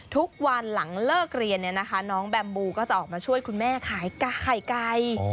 ทุกวันหลังเลิกเรียนน้องแบมบูก็จะออกมาช่วยคุณแม่ขายไข่ไก่